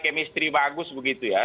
kemistri bagus begitu ya